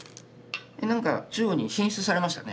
何か中央に進出されましたね。